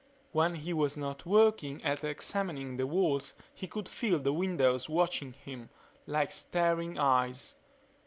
When he was not working at examining the walls he could feel the windows watching him, like staring eyes.